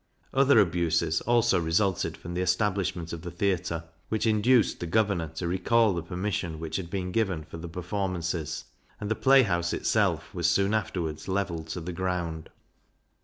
Other abuses also resulted from the establishment of the theatre, which induced the governor to recal the permission which had been given for the performances, and the playhouse itself was soon afterwards levelled to the ground.